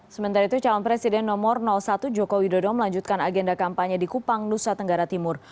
sementara itu calon presiden nomor satu joko widodo melanjutkan agenda kampanye di kupang nusa tenggara timur